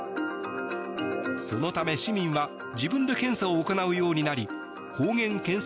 そのため、市民は自分で検査を行うようになり抗原検査